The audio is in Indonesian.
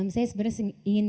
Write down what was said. saya sebenarnya ingin